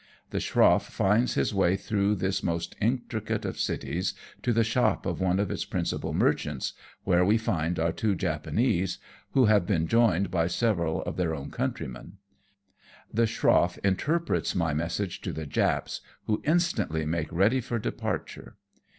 The schroff finds his way through this most intricate of cities to the shop of one of its principal merchants, where we find our two Japanese, who have been joined by several of their own countrymen. The schroff interprets my message to the Japs, who instantly make ready for departure.